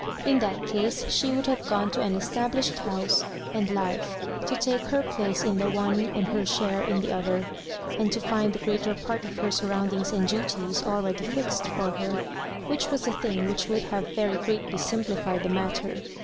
In that case she would have gone to an established house and life ^to take her place in the one and her share in the other, and to find the greater part of her Bun*oundings and duties ahready fixed for her, which was a thing whidi would have very greatly simplified &.e matter.